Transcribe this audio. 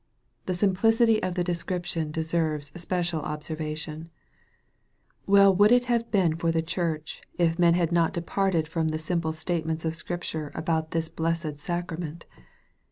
The simplicity of the description deserves special observation Well would it have been for the Church, if men had not departed from the simple statements of Scripture about this blessed sacrament